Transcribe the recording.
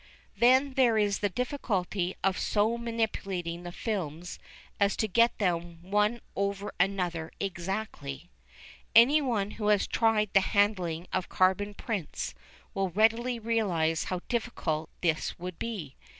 Then there is the difficulty of so manipulating the films as to get them one over another exactly. Anyone who has tried the handling of carbon prints will readily realise how difficult this would be.